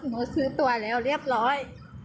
หนูซื้อตัวแล้วเรียบร้อย